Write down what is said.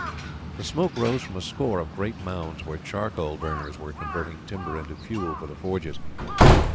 The smoke rose from a score of great mounds, where charcoal burners were converting timber into fuel for the forges.